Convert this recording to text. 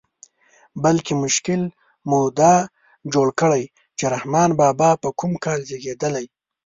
بلکې مشکل مو دا جوړ کړی چې رحمان بابا په کوم کال زېږېدلی.